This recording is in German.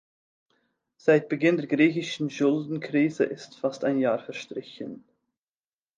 Seit Beginn der griechischen Schuldenkrise ist fast ein Jahr verstrichen.